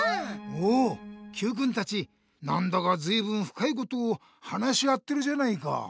おおＱくんたちなんだかずいぶんふかいことを話し合ってるじゃないか！